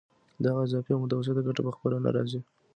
دغه اضافي او متوسطه ګټه په خپله نه راځي